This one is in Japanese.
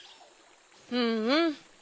うんうん。